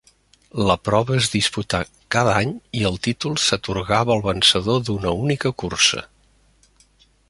La prova es disputà cada any i el títol s'atorgava al vencedor d'una única cursa.